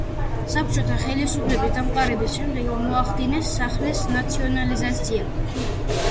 საბჭოთა ხელისუფლების დამყარების შემდეგ მოახდინეს სახლის ნაციონალიზაცია.